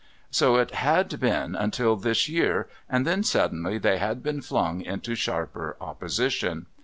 So it had been until this year, and then suddenly they had been flung into sharper opposition.